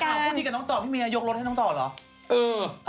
พูดดีกับน้องต่อพี่เมียยกรถให้น้องต่อเหรอ